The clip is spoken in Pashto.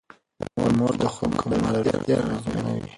د مور د خوب کموالی روغتيا اغېزمنوي.